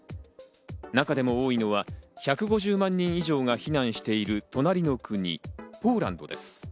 中でも多いのは１５０万人以上が避難している隣の国、ポーランドです。